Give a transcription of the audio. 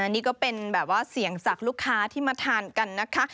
นี่ก็เป็นแบบว่าเสี่ยงจากลูกค้าที่มาทานกันนะคะ